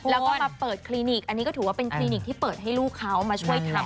แล้วก็มาเปิดคลินิกอันนี้ก็ถือว่าเป็นคลินิกที่เปิดให้ลูกเขามาช่วยทำ